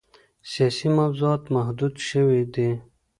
سیاسي موضوعات محدود شوي دي.